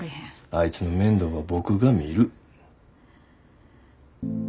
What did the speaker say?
あいつの面倒は僕が見る。